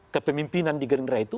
kepemimpinan di gerindra itu